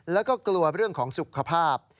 แล้วก็กลัวเรื่องของสุขภาพ